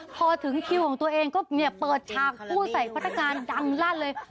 พอถึงคิวของตัวเองก็เนี่ยเปิดชามผู้ใส่พันธการดำรั่นเลย